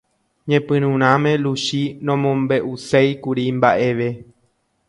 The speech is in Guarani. Ñepyrũrãme Luchi nomombe'uséikuri mba'eve.